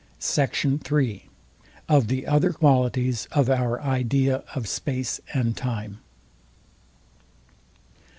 SECT. III. OF THE OTHER QUALITIES OF OUR IDEA OF SPACE AND TIME.